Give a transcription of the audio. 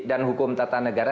dan hukum tata negara